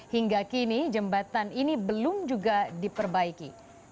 hingga kini jembatan ini belum juga diperbaiki